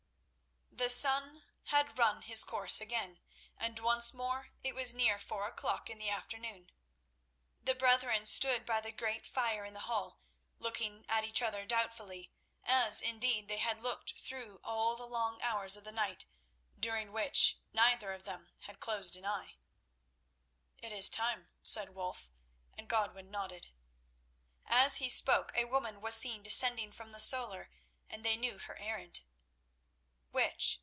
The sun had run his course again, and once more it was near four o'clock in the afternoon. The brethren stood by the great fire in the hall looking at each other doubtfully—as, indeed, they had looked through all the long hours of the night, during which neither of them had closed an eye. "It is time," said Wulf, and Godwin nodded. As he spoke a woman was seen descending from the solar, and they knew her errand. "Which?"